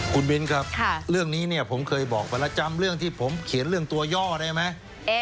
คุณมิ้นครับเรื่องนี้เนี่ยผมเคยบอกไปแล้วจำเรื่องที่ผมเขียนเรื่องตัวย่อได้ไหม